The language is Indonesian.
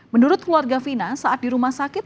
menurut keluarga fina saat di rumah sakit